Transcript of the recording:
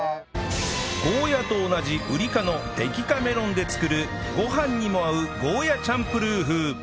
ゴーヤと同じウリ科の摘果メロンで作るご飯にも合うゴーヤチャンプルー風